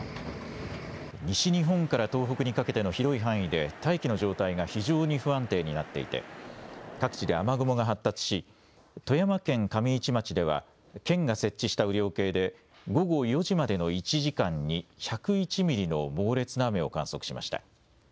西日本から東北にかけての広い範囲で大気の状態が非常に不安定になっていて各地で雨雲が発達し富山県上市町では県が設置した雨量計で午後４時までの１時間に１０１ミリの猛烈な雨を観測しました。